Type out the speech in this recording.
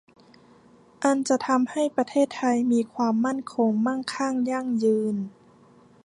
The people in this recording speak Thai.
อันจะทำให้ประเทศไทยมีความมั่นคง มั่งคั่ง ยั่งยืน